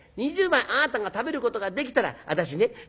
２０枚あなたが食べることができたら私ね